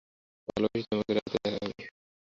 ভালোবাসি তোমাকে, রাতে দেখা হবে।